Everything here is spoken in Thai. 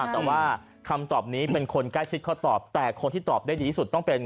แต่ว่าคำตอบนี้เป็นคนใกล้ชิดเขาตอบแต่คนที่ตอบได้ดีที่สุดต้องเป็น